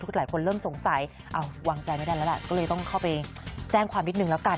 คือหลายคนเริ่มสงสัยวางใจไม่ได้แล้วล่ะก็เลยต้องเข้าไปแจ้งความนิดนึงแล้วกัน